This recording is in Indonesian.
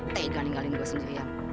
tega ninggalin gua sendiri ya